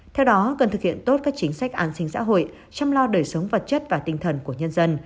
theo đó cần thực hiện tốt các chính sách an sinh xã hội chăm lo đời sống vật chất và tinh thần của nhân dân